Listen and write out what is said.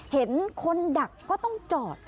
เห็นคนดักก็ต้องจอด